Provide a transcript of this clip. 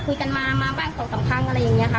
คุยกันมามาบ้านของต่างอะไรอย่างนี้ค่ะ